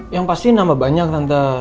yang pasti nama banyak tante